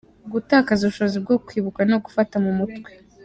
Gutakaza ubushobozi bwo kwibuka no gufata mu mutwe.